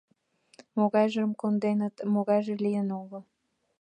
Могайжым конденыт, могайже лийын огыл.